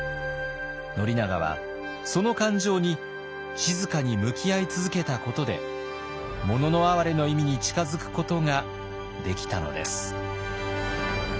宣長はその感情に静かに向き合い続けたことで「もののあはれ」の意味に近づくことができたのです。